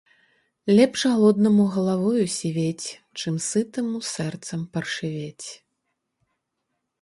Лепш галоднаму галавою сівець, чым сытаму сэрцам паршывець.